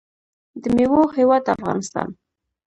د میوو هیواد افغانستان.